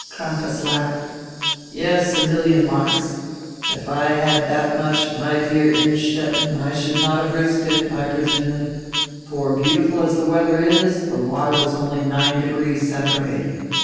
Crampas laughed. "Yes, a million marks! If I had that much, my dear Innstetten, I should not have risked it, I presume; for beautiful as die weather is, the water was only 9° centigrade.